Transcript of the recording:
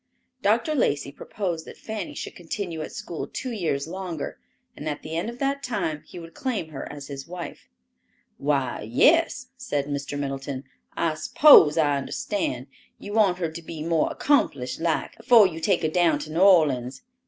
Dr. Lacey proposed that Fanny should continue at school two years longer, and at the end of that time he would claim her as his wife. "Why, yes," said Mr. Middleton; "I s'pose I understand; you want her to be more accomplished like, afore you take her down to New Orleans.